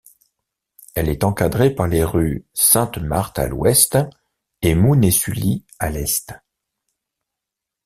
Elle est encadrée par les rues Sainte-Marthe à l'ouest et Mounet-Sully à l'est.